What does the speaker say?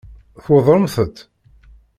Tweddṛemt-tt?